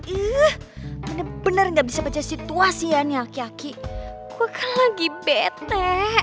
ih bener bener gak bisa baca situasi ya nih aki aki gue kan lagi bete